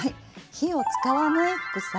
「火を使わない副菜」。